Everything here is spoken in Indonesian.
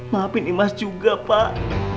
maafin imas juga pak